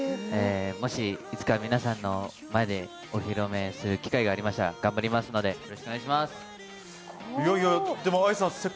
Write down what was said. もし、いつか皆さんの前でお披露目する機会がありましたら頑張りますので、よろしくお願いします。